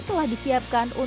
telah disiapkan untuk membangun